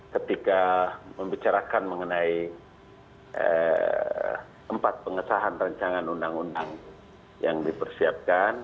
ketika membicarakan mengenai tempat pengesahan rancangan undang undang yang dipersiapkan